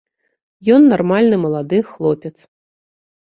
Ён нармальны малады хлопец.